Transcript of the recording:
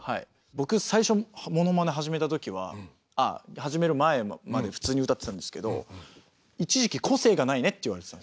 僕最初モノマネ始めたときは始める前まで普通に歌ってたんですけど一時期「個性がないね」って言われてたんですよ。